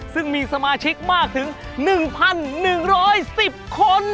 ซึ่งมีสมาชิกมากถึง๑๑๑๐คน